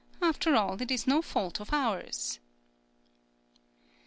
After all, it is no fault of ours!"